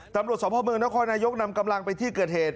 ตำรวจสมภาพเมืองนครนายกนำกำลังไปที่เกิดเหตุ